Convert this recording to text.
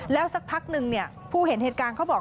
แล้วสักพักนึงเนี่ยผู้เห็นเหตุการณ์เขาบอก